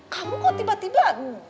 kamu kok tiba tiba